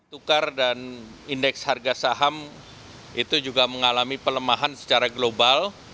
tukar dan indeks harga saham itu juga mengalami pelemahan secara global